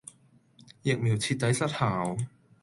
疫苗徹底失效